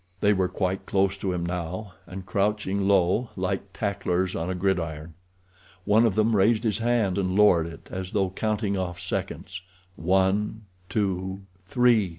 They were quite close to him now, and crouching low, like tacklers on a gridiron. One of them raised his hand and lowered it, as though counting off seconds—one—two—three!